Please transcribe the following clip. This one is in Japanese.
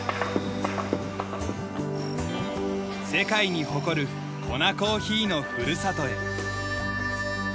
世界に誇るコナ・コーヒーのふるさとへ。